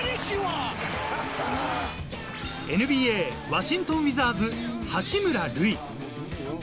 ＮＢＡワシントン・ウィザーズ、八村塁。